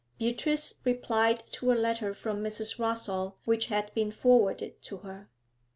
Beatrice replied to a letter from Mrs. Rossall which had been forwarded to her.